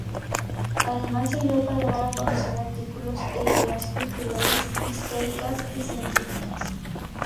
Además sirvió para dar a conocer artículos e ideas culturales, históricas y científicas.